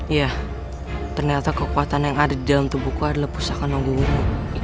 iya ternyata kekuatan yang ada di dalam tubuhku adalah pusaka guru